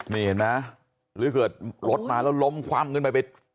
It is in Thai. นี่เห็นไหมหรือเกิดรถมาแล้วล้มคว่ำขึ้นไปไป